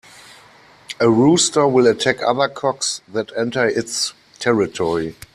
A rooster will attack other cocks that enter its territory.